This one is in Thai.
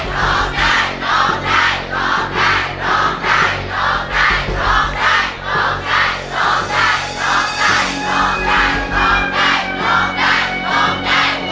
โทษให้โทษให้โทษให้โทษให้